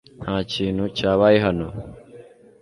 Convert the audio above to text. Nta kintu cyabayehano